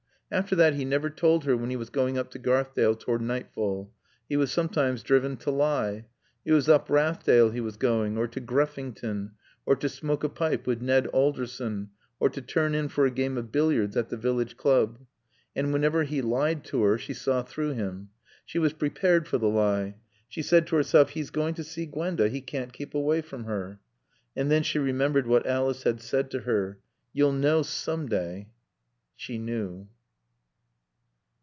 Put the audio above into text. After that he never told her when he was going up to Garthdale toward nightfall. He was sometimes driven to lie. It was up Rathdale he was going, or to Greffington, or to smoke a pipe with Ned Alderson, or to turn in for a game of billiards at the village club. And whenever he lied to her she saw through him. She was prepared for the lie. She said to herself, "He is going to see Gwenda. He can't keep away from her." And then she remembered what Alice had said to her. "You'll know some day." She knew.